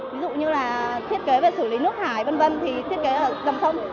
ví dụ như thiết kế về xử lý nước hải v v thì thiết kế ở dòng sông